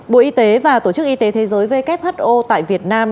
bộ y tế và tổ chức y tế thế giới who tại việt nam